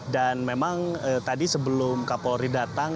dan memang tadi sebelum kapolri datang